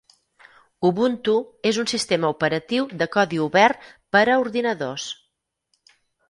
Ubuntu és un sistema operatiu de codi obert per a ordinadors.